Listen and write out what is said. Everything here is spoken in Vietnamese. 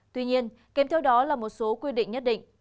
tuy nhiên kèm theo đó là một số quy định nhất định